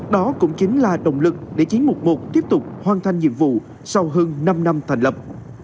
đó cũng chính là động lực để chiến mục một tiếp tục hoàn thành nhiệm vụ sau hơn năm năm thành lập